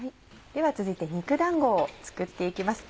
では続いて肉だんごを作って行きます。